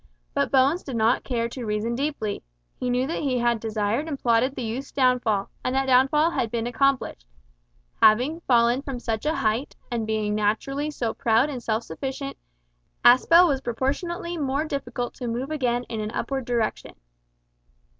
But Bones did not care to reason deeply. He knew that he had desired and plotted the youth's downfall, and that downfall had been accomplished. Having fallen from such a height, and being naturally so proud and self sufficient, Aspel was proportionally more difficult to move again in an upward direction.